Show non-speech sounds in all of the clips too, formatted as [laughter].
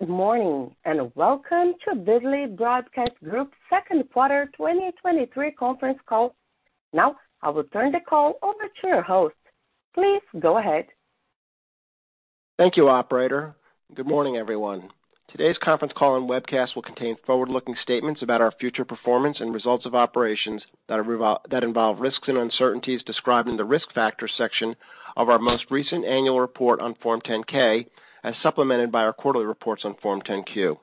Good morning, and welcome to Beasley Broadcast Group's second quarter 2023 conference call. Now, I will turn the call over to your host. Please go ahead. Thank you, operator. Good morning, everyone. Today's conference call and webcast will contain forward-looking statements about our future performance and results of operations that involve risks and uncertainties described in the Risk Factors section of our most recent annual report on Form 10-K, as supplemented by our quarterly reports on Form 10-Q.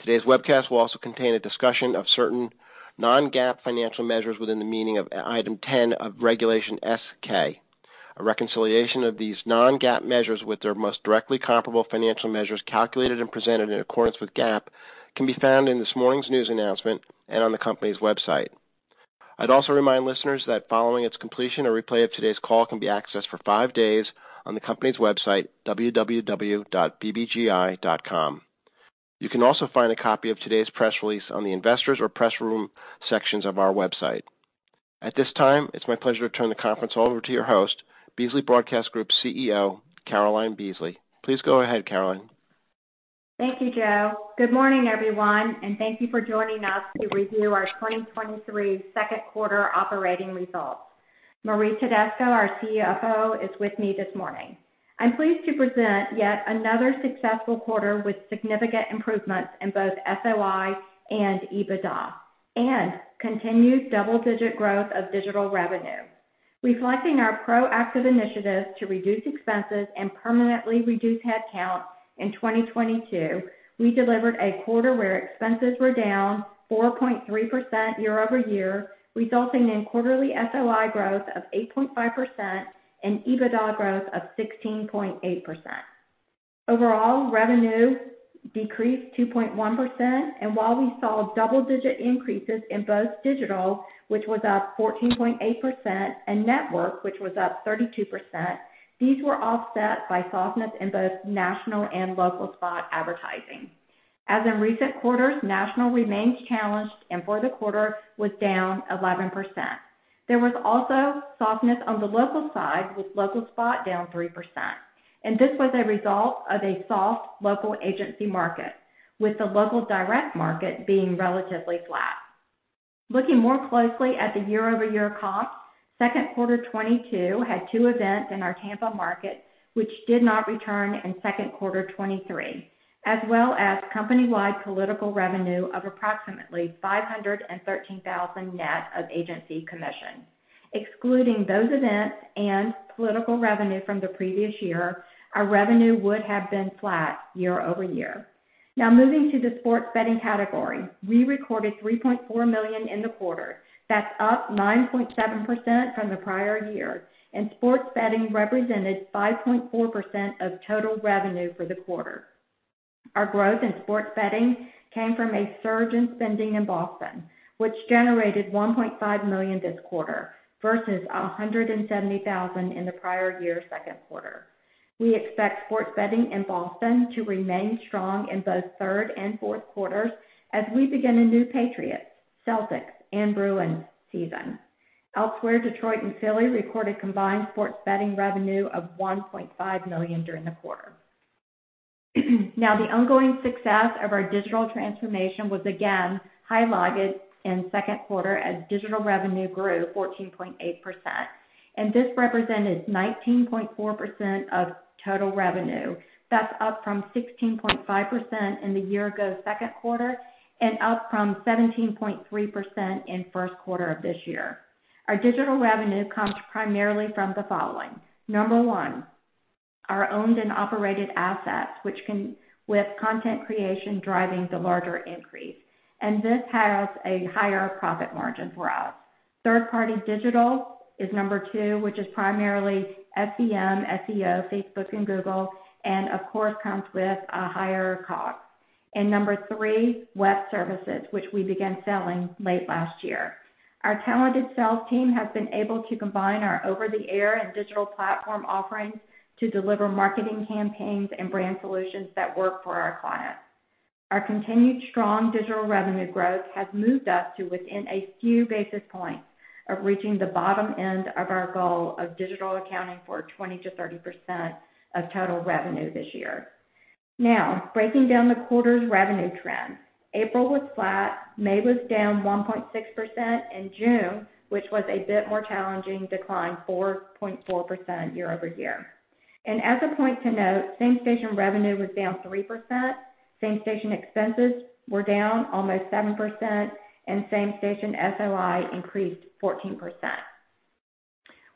Today's webcast will also contain a discussion of certain non-GAAP financial measures within the meaning of item 10 of Regulation S-K. A reconciliation of these non-GAAP measures with their most directly comparable financial measures calculated and presented in accordance with GAAP can be found in this morning's news announcement and on the company's website. I'd also remind listeners that following its completion, a replay of today's call can be accessed for five days on the company's website, www.bbgi.com. You can also find a copy of today's press release on the Investors or Press Room sections of our website. At this time, it's my pleasure to turn the conference over to your host, Beasley Broadcast Group's CEO, Caroline Beasley. Please go ahead, Caroline. Thank you, Joe. Good morning, everyone, thank you for joining us to review our 2023 second quarter operating results. Marie Tedesco, our CFO, is with me this morning. I'm pleased to present yet another successful quarter with significant improvements in both SOI and EBITDA, continued double-digit growth of digital revenue. Reflecting our proactive initiatives to reduce expenses and permanently reduce headcount in 2022, we delivered a quarter where expenses were down 4.3% year-over-year, resulting in quarterly SOI growth of 8.5% and EBITDA growth of 16.8%. Overall, revenue decreased 2.1%, while we saw double-digit increases in both digital, which was up 14.8%, and network, which was up 32%, these were offset by softness in both national and local spot advertising. As in recent quarters, national remains challenged, and for the quarter was down 11%. There was also softness on the local side, with local spot down 3%. This was a result of a soft local agency market, with the local direct market being relatively flat. Looking more closely at the year-over-year comp, second quarter 2022 had two events in our Tampa market, which did not return in second quarter 2023, as well as company-wide political revenue of approximately $513,000 net of agency commission. Excluding those events and political revenue from the previous year, our revenue would have been flat year-over-year. Moving to the sports betting category. We recorded $3.4 million in the quarter. That's up 9.7% from the prior year. Sports betting represented 5.4% of total revenue for the quarter. Our growth in sports betting came from a surge in spending in Boston, which generated $1.5 million this quarter versus $170,000 in the prior year's second quarter. We expect sports betting in Boston to remain strong in both third and fourth quarters as we begin a new Patriots, Celtics, and Bruins season. Elsewhere, Detroit and Philly recorded combined sports betting revenue of $1.5 million during the quarter. The ongoing success of our digital transformation was again highlighted in second quarter as digital revenue grew 14.8%, and this represented 19.4% of total revenue. That's up from 16.5% in the year ago, second quarter, and up from 17.3% in first quarter of this year. Our digital revenue comes primarily from the following. Number one, our owned and operated assets, which can [inaudible] With content creation driving the larger increase, this has a higher profit margin for us. Third-party digital is number two, which is primarily SEM, SEO, Facebook and Google, and of course, comes with a higher cost. Number three, web services, which we began selling late last year. Our talented sales team has been able to combine our over-the-air and digital platform offerings to deliver marketing campaigns and brand solutions that work for our clients. Our continued strong digital revenue growth has moved us to within a few basis points of reaching the bottom end of our goal of digital accounting for 20%-30% of total revenue this year. Now, breaking down the quarter's revenue trends. April was flat, May was down 1.6%, and June, which was a bit more challenging, declined 4.4% year-over-year. As a point to note, same-station revenue was down 3%, same-station expenses were down almost 7%, and same-station SOI increased 14%.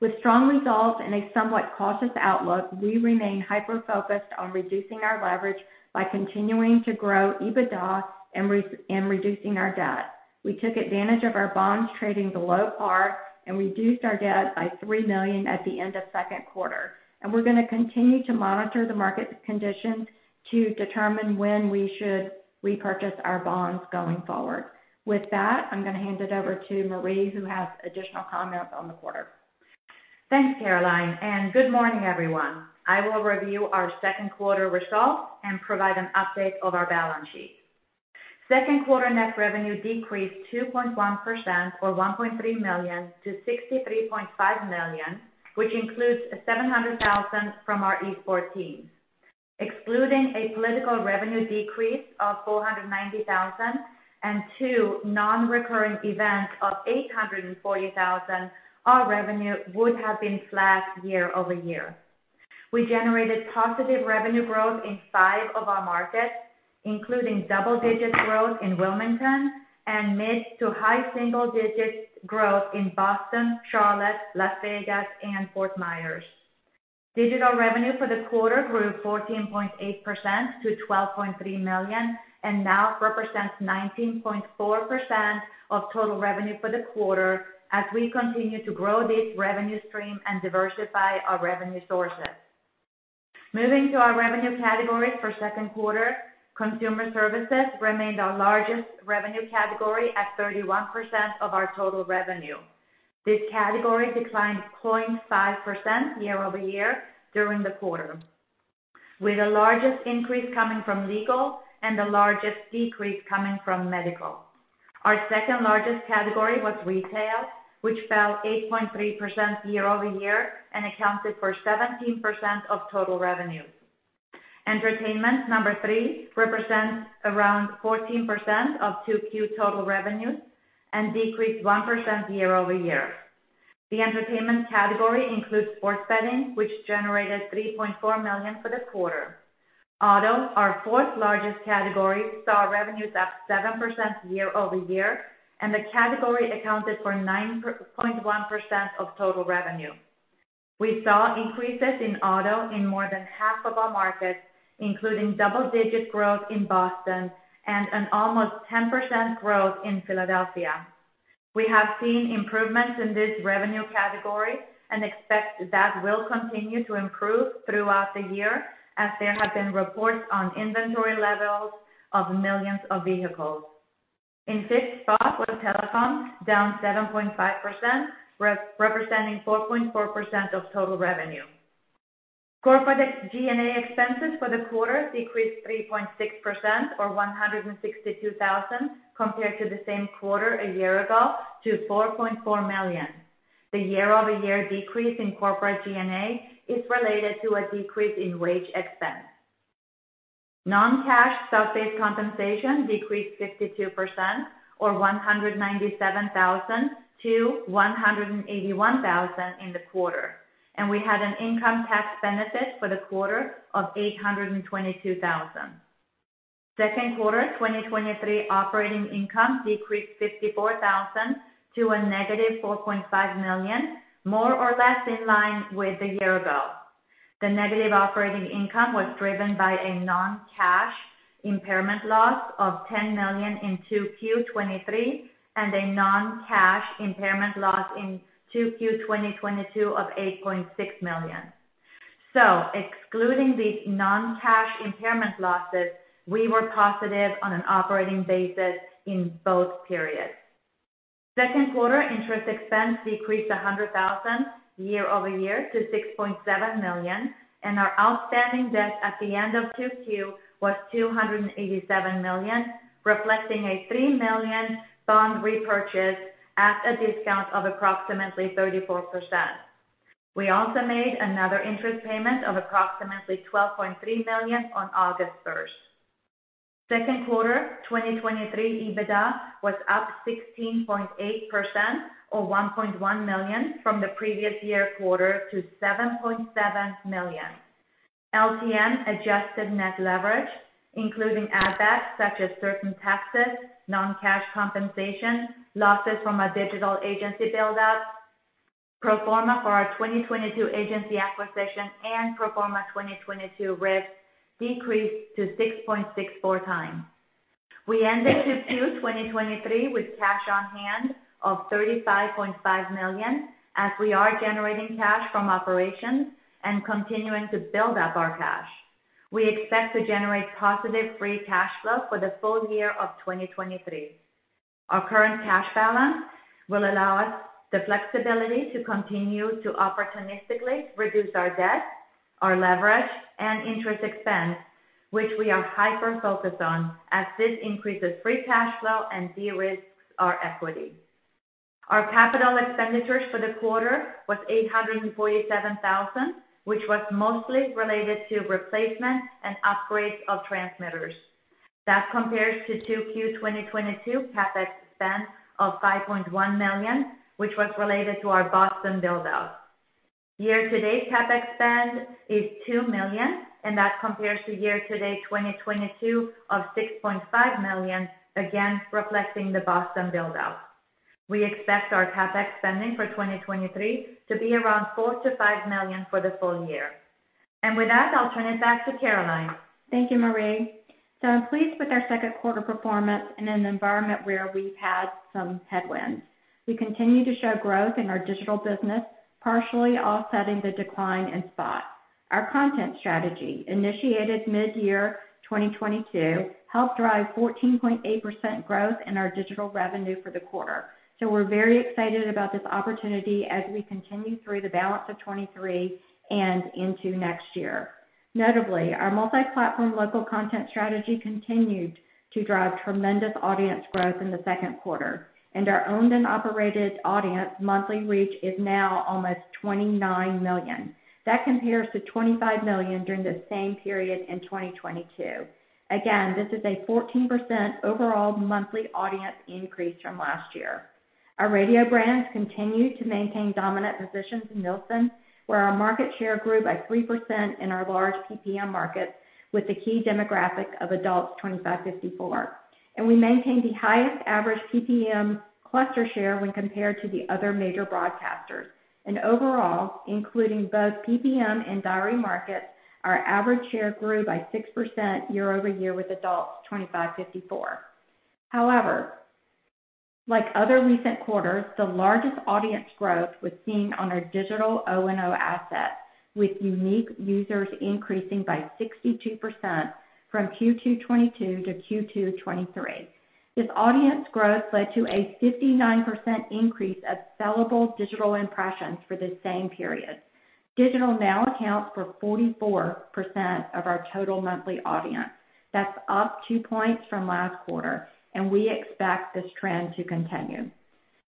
With strong results and a somewhat cautious outlook, we remain hyper-focused on reducing our leverage by continuing to grow EBITDA and reducing our debt. We took advantage of our bonds trading below par and reduced our debt by $3 million at the end of second quarter, and we're going to continue to monitor the market conditions to determine when we should repurchase our bonds going forward. With that, I'm going to hand it over to Marie, who has additional comments on the quarter. Thanks, Caroline. Good morning, everyone. I will review our second quarter results and provide an update of our balance sheet. Second quarter net revenue decreased 2.1% or $1.3 million to $63.5 million, which includes a $700,000 from our esports team. Excluding a political revenue decrease of $490,000 and two non-recurring events of $840,000, our revenue would have been flat year-over-year. We generated positive revenue growth in five of our markets, including double-digit growth in Wilmington and mid to high single-digit growth in Boston, Charlotte, Las Vegas, and Fort Myers. Digital revenue for the quarter grew 14.8% to $12.3 million, and now represents 19.4% of total revenue for the quarter as we continue to grow this revenue stream and diversify our revenue sources. Moving to our revenue categories for second quarter, consumer services remained our largest revenue category at 31% of our total revenue. This category declined 0.5% year-over-year during the quarter, with the largest increase coming from legal and the largest decrease coming from medical. Our second-largest category was retail, which fell 8.3% year-over-year and accounted for 17% of total revenue. Entertainment, number three, represents around 14% of 2Q total revenue and decreased 1% year-over-year. The entertainment category includes sports betting, which generated $3.4 million for the quarter. Auto, our fourth-largest category, saw revenues up 7% year-over-year, and the category accounted for 9.1% of total revenue. We saw increases in auto in more than half of our markets, including double-digit growth in Boston and an almost 10% growth in Philadelphia. We have seen improvements in this revenue category and expect that will continue to improve throughout the year as there have been reports on inventory levels of millions of vehicles. In sixth spot was telecom, down 7.5%, representing 4.4% of total revenue. Corporate G&A expenses for the quarter decreased 3.6% or $162,000, compared to the same quarter a year ago to $4.4 million. The year-over-year decrease in corporate G&A is related to a decrease in wage expense. Non-cash stock-based compensation decreased 52% or $197,000 to $181,000 in the quarter, and we had an income tax benefit for the quarter of $822,000. Second quarter 2023 operating income decreased $54,000 to a negative $4.5 million, more or less in line with a year ago. The negative operating income was driven by a non-cash impairment loss of $10 million in 2Q 2023, and a non-cash impairment loss in 2Q 2022 of $8.6 million. Excluding these non-cash impairment losses, we were positive on an operating basis in both periods. Second quarter interest expense decreased $100,000 year-over-year to $6.7 million, and our outstanding debt at the end of 2Q was $287 million, reflecting a $3 million bond repurchase at a discount of approximately 34%. We also made another interest payment of approximately $12.3 million on August 1st. Second quarter 2023 EBITDA was up 16.8% or $1.1 million from the previous year quarter to $7.7 million. LTM adjusted net leverage, including assets such as certain taxes, non-cash compensation, losses from our digital agency build-out, pro forma for our 2022 agency acquisition and pro forma 2022 risk decreased to 6.64 times. We ended 2Q 2023 with cash on hand of $35.5 million, as we are generating cash from operations and continuing to build up our cash. We expect to generate positive free cash flow for the full year of 2023. Our current cash balance will allow us the flexibility to continue to opportunistically reduce our debt, our leverage, and interest expense, which we are hyper-focused on as this increases free cash flow and de-risks our equity. Our capital expenditures for the quarter was $847,000, which was mostly related to replacements and upgrades of transmitters. That compares to 2Q 2022 CapEx spend of $5.1 million, which was related to our Boston build-out. Year-to-date CapEx spend is $2 million, and that compares to year-to-date 2022 of $6.5 million, again, reflecting the Boston build-out. We expect our CapEx spending for 2023 to be around $4 million-$5 million for the full year. With that, I'll turn it back to Caroline. Thank you, Marie. I'm pleased with our second quarter performance in an environment where we've had some headwinds. We continue to show growth in our digital business, partially offsetting the decline in spot. Our content strategy, initiated mid-year 2022, helped drive 14.8% growth in our digital revenue for the quarter. We're very excited about this opportunity as we continue through the balance of 2023 and into next year. Notably, our multi-platform local content strategy continued to drive tremendous audience growth in the second quarter, and our owned and operated audience monthly reach is now almost 29 million. That compares to 25 million during the same period in 2022. Again, this is a 14% overall monthly audience increase from last year. Our radio brands continue to maintain dominant positions in Nielsen, where our market share grew by 3% in our large PPM markets with the key demographic of adults 25-54. We maintained the highest average PPM cluster share when compared to the other major broadcasters. Overall, including both PPM and diary markets, our average share grew by 6% year-over-year with adults 25-54. However, like other recent quarters, the largest audience growth was seen on our digital O&O assets, with unique users increasing by 62% from Q2 '22 to Q2 '23. This audience growth led to a 59% increase of sellable digital impressions for the same period. Digital now accounts for 44% of our total monthly audience. That's up 2 points from last quarter, and we expect this trend to continue.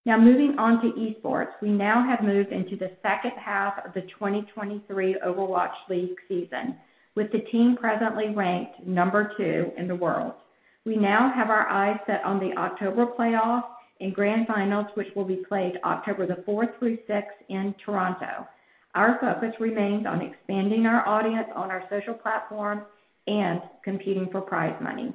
Now, moving on to esports. We now have moved into the second half of the 2023 Overwatch League season, with the team presently ranked number two in the world. We now have our eyes set on the October playoff and grand finals, which will be played October 4th through 6th in Toronto. Our focus remains on expanding our audience on our social platforms and competing for prize money.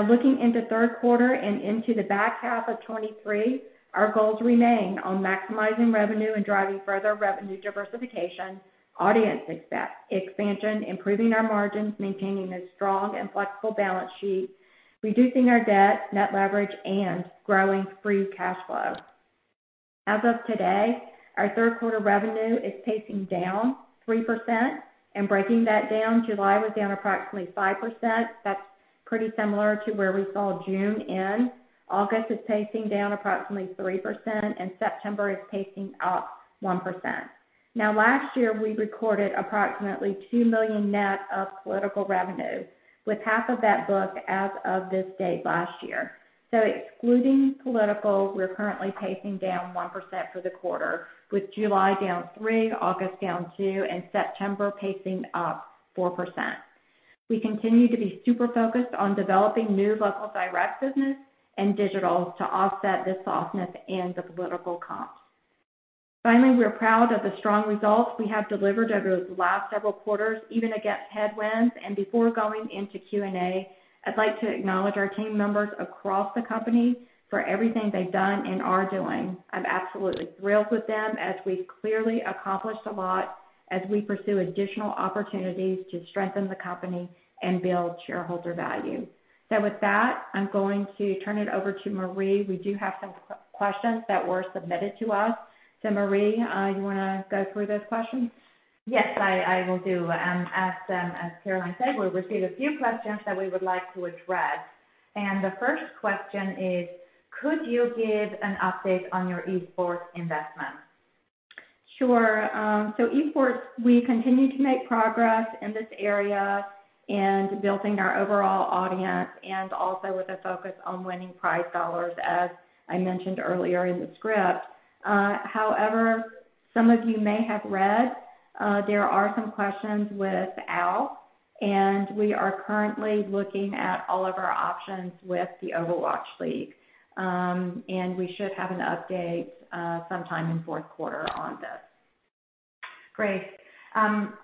Looking into third quarter and into the back half of 2023, our goals remain on maximizing revenue and driving further revenue diversification, audience expansion, improving our margins, maintaining a strong and flexible balance sheet, reducing our debt, net leverage, and growing free cash flow. As of today, our third quarter revenue is pacing down 3%, and breaking that down, July was down approximately 5%. That's pretty similar to where we saw June end. August is pacing down approximately 3%, and September is pacing up 1%. Last year, we recorded approximately $2 million net of political revenue, with $1 million of that booked as of this date last year. Excluding political, we're currently pacing down 1% for the quarter, with July down 3, August down 2, and September pacing up 4%. We continue to be super focused on developing new local direct business and digital to offset this softness and the political comps. Finally, we're proud of the strong results we have delivered over the last several quarters, even against headwinds. Before going into Q&A, I'd like to acknowledge our team members across the company for everything they've done and are doing. I'm absolutely thrilled with them, as we've clearly accomplished a lot as we pursue additional opportunities to strengthen the company and build shareholder value. With that, I'm going to turn it over to Marie. We do have some questions that were submitted to us. Marie, you wanna go through those questions? Yes, I, I will do. As Caroline said, we've received a few questions that we would like to address. The first question is: Could you give an update on your esports investment? Sure. Esports, we continue to make progress in this area and building our overall audience and also with a focus on winning prize dollars, as I mentioned earlier in the script. However, some of you may have read, there are some questions with Owl, and we are currently looking at all of our options with the Overwatch League. We should have an update sometime in fourth quarter on this. Great.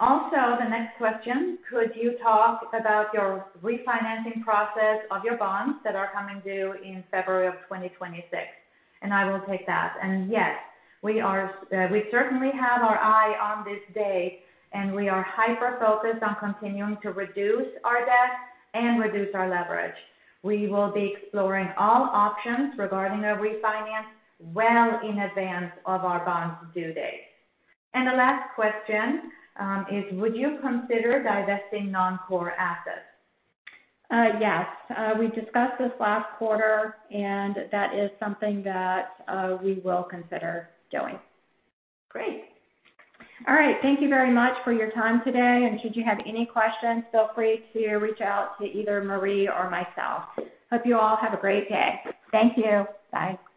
Also, the next question: Could you talk about your refinancing process of your bonds that are coming due in February of 2026? I will take that. Yes, we are, we certainly have our eye on this day, and we are hyper-focused on continuing to reduce our debt and reduce our leverage. We will be exploring all options regarding a refinance well in advance of our bonds' due date. The last question is: Would you consider divesting non-core assets? Yes. We discussed this last quarter, and that is something that we will consider doing. Great. All right. Thank you very much for your time today, and should you have any questions, feel free to reach out to either Marie or myself. Hope you all have a great day. Thank you. Bye.